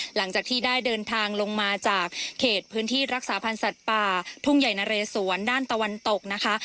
หลังจากที่ได้เดินทางลงมาจากเขตพื้นที่รักษาพันธ์สัตว์ป่าทุ่งใหญ่นะเรสวนด้านตะวันตกนะคะ